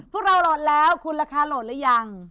พวกเราโหลดแล้วคุณราคาโหลดหรือยัง